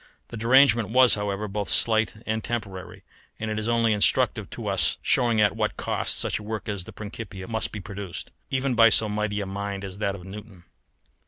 The derangement was, however, both slight and temporary: and it is only instructive to us as showing at what cost such a work as the Principia must be produced, even by so mighty a mind as that of Newton.